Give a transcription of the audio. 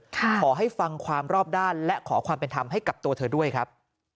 ขอให้ฟังความรอบด้านและขอความเป็นธรรมให้กับตัวเธอด้วยครับ